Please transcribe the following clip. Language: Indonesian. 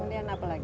kemudian apa lagi